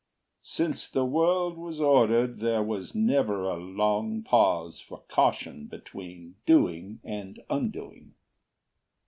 Since the world Was ordered, there was never a long pause For caution between doing and undoing.